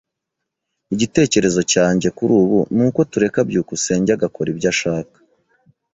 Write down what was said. Igitekerezo cyanjye kuri ubu nuko tureka byukusenge agakora ibyo ashaka.